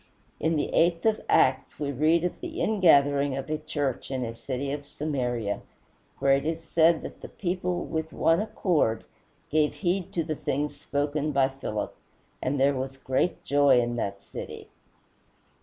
In the eighth of Acts we read of the ingathering of a church in a city of Samaria, where it is said that "the people, with one accord, gave heed to the things spoken by Philip, and there was great joy in that city."